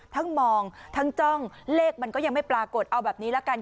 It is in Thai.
ทั้งมองทั้งจ้องเลขมันก็ยังไม่ปรากฏเอาแบบนี้ละกัน